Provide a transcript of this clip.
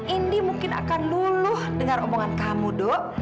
indi mungkin akan luluh dengan omongan kamu dok